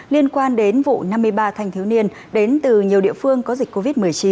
liên quan đến vụ năm mươi ba thanh thiếu niên đến từ nhiều địa phương có dịch covid một mươi chín